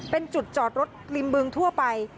เป็นจุดจอดรถริมบึงทั่วไป